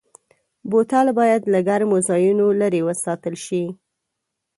بوتل باید له ګرمو ځایونو لېرې وساتل شي.